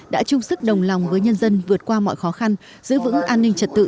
đã chung sức đồng lòng với nhân dân vượt qua mọi khó khăn giữ vững an ninh trật tự